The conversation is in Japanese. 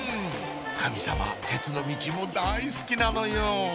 神様鉄のミチも大好きなのよ